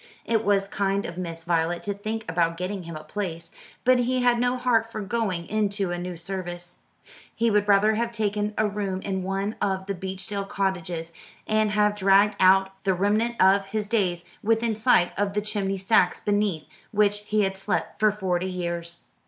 It was kind of Miss Violet to think about getting him a place; but he had no heart for going into a new service. He would rather have taken a room in one of the Beechdale cottages, and have dragged out the remnant of his days within sight of the chimney stacks beneath which he had slept for forty years.